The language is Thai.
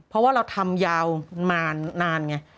เพราะว่าเราทำยาวนานไง